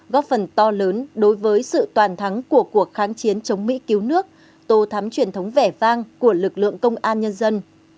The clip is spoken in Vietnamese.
góp phần to lớn đối với sự toàn thắng của cuộc kháng chiến chống mỹ cứu nước tô thắm truyền thống vẻ vang của lực lượng công an nhân dân